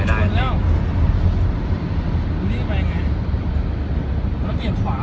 เชื่อที่เปียกขวา